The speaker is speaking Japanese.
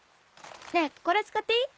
ねえこれ使っていい？